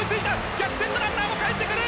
逆転のランナーもかえってくる！